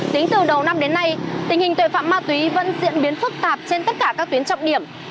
tính từ đầu năm đến nay tình hình tội phạm ma túy vẫn diễn biến phức tạp trên tất cả các tuyến trọng điểm